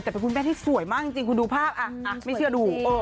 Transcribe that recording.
แต่เป็นคุณแม่ที่สวยมากจริงคุณดูภาพไม่เชื่อดู